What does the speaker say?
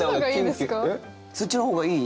そっちの方がいい？